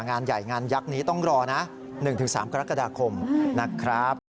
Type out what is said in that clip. งานใหญ่งานยักษ์นี้ต้องรอนะ๑๓กรกฎาคมนะครับ